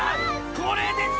これですよ！